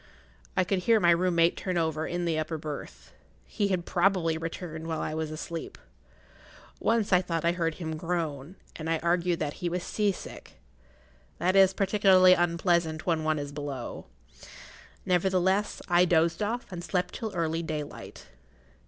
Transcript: I could hear my room mate turn over in the upper berth. He had[Pg 22] probably returned while I was asleep. Once I thought I heard him groan, and I argued that he was sea sick. That is particularly unpleasant when one is below. Nevertheless I dozed off and slept till early daylight.